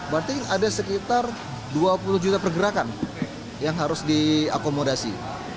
berarti ada sekitar dua puluh juta pergerakan yang harus diakomodasi